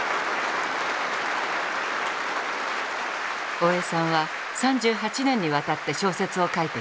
大江さんは３８年にわたって小説を書いてきました。